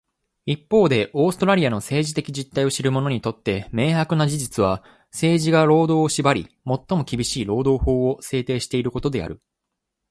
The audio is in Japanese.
一方で、オーストラリアの政治的実態を知る者にとって明白な事実は、政治が労働を縛り、最も厳しい労働法を制定していることである。